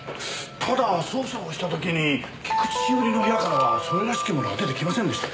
ただ捜査をした時に菊地詩織の部屋からはそれらしきものは出てきませんでしたよ。